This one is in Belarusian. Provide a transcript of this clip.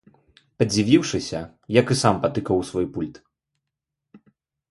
Падзівіўшыся, я і сам патыкаў у свой пульт.